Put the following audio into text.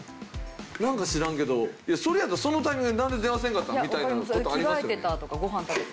なんか知らんけどそれやったらそのタイミングでなんで電話せんかったの？みたいな事ありますよね。